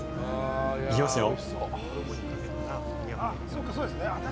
行きますよ。